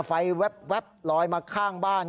แว๊บลอยมาข้างบ้าน